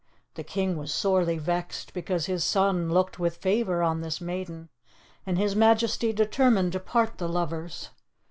The king was sorely vexed, because his son looked with favour on this maiden, and his majesty determined to part the lovers.